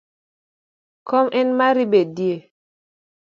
Kom en mari bedie